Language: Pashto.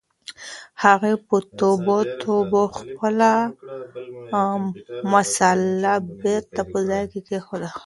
هغې په توبو توبو خپله مصلّی بېرته په ځای کېښوده.